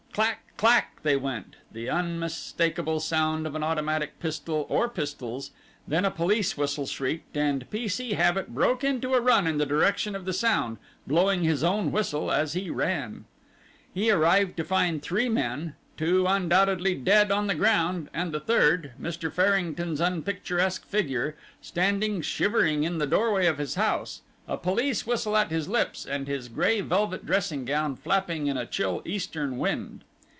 "Clack clack!" they went, the unmistakable sound of an automatic pistol or pistols, then a police whistle shrieked, and P. C. Habit broke into a run in the direction of the sound, blowing his own whistle as he ran. He arrived to find three men, two undoubtedly dead on the ground, and the third, Mr. Farrington's unpicturesque figure, standing shivering in the doorway of his house, a police whistle at his lips, and his grey velvet dressing gown flapping in a chill eastern wind.